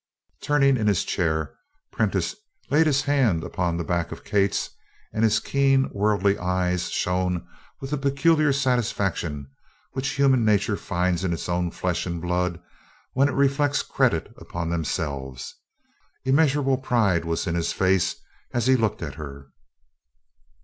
Turning in his chair, Prentiss laid his hand upon the back of Kate's, and his keen worldly eyes shone with the peculiar satisfaction which human nature finds in its own flesh and blood when it reflects credit upon themselves. Immeasurable pride was in his face as he looked at her.